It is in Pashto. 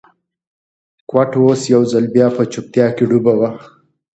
کوټه اوس یو ځل بیا په چوپتیا کې ډوبه ده.